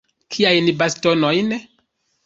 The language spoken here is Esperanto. Kiajn bastonojn?